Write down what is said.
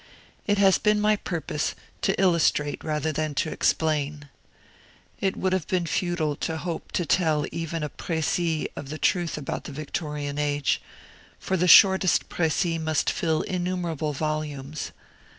It has been my purpose to illustrate rather than to explain. It would have been futile to hope to tell even a precis of the truth about the Victorian age, for the shortest precis must fill innumerable volumes.